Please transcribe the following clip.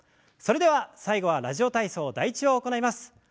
それでは最後は「ラジオ体操第１」を行います。